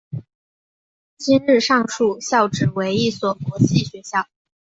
今日上述校扯为一所国际学校。